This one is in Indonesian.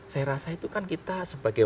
saya rasa itu kan kita sebagai